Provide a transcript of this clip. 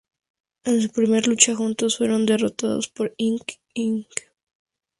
En su primera lucha juntos, fueron derrotados por Ink Inc.